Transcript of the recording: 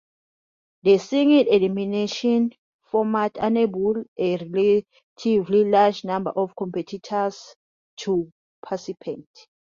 The single-elimination format enables a relatively large number of competitors to participate.